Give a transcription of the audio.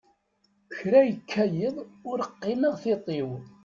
Kra yekka yiḍ, ur qqineɣ tiṭ-iw.